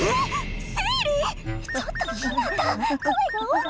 ちょっとひなた声が大きいよ！